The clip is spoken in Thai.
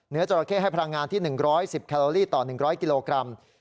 จราเข้ให้พลังงานที่๑๑๐แคลอรี่ต่อ๑๐๐กิโลกรัม